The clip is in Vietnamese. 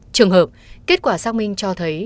trường hợp kết quả xác minh cho thấy